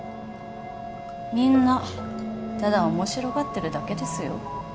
みんなただ面白がってるだけですよ。